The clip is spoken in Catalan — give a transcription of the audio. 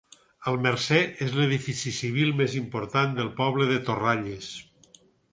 El Mercer és l'edifici civil més important del poble de Torralles.